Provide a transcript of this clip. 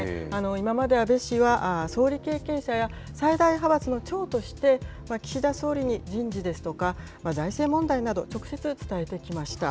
今まで安倍氏は、総理経験者や、最大派閥の長として、岸田総理に人事ですとか、財政問題など、直接伝えてきました。